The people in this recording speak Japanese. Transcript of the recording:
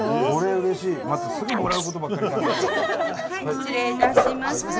失礼いたします。